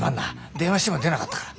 電話しても出なかったから。